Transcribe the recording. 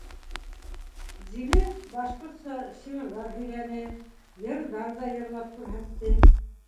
Зилә башҡортса шиғырҙар һөйләне, йырҙар ҙа йырлап күрһәтте.